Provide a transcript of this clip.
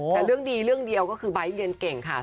แต่เรื่องดีเรื่องเดียวก็คือไบท์เรียนเก่งค่ะ